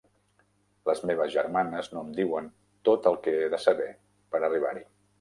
Les meves germanes no em diuen tot el que he de saber per arribar-hi.